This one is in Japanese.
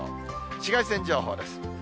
紫外線情報です。